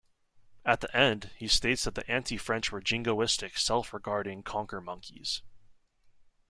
At the end, he states that the anti-French were jingoistic, self-regarding conquer-monkeys!